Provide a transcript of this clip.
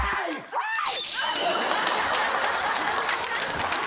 はい！